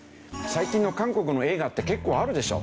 最近の韓国の映画って結構あるでしょ？